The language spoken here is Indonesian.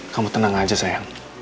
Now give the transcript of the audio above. kamu tenang aja sayang